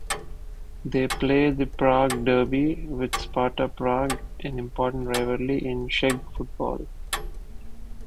They play the Prague derby with Sparta Prague, an important rivalry in Czech football.